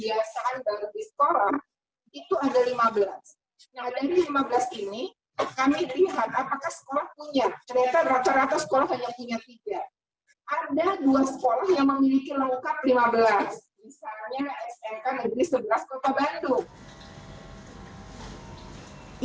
misalnya smk negeri seberas kota bandung